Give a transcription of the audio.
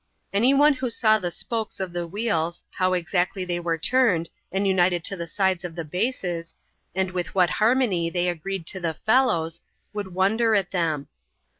Any one who saw the spokes of the wheels, how exactly they were turned, and united to the sides of the bases, and with what harmony they agreed to the felloes, would wonder at them.